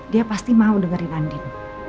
dia pasti mau dengerin landing